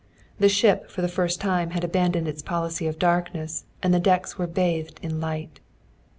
The ship for the first time had abandoned its policy of darkness and the decks were bathed in light.